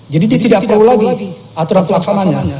jadi ditidakluli lagi aturan pelaksananya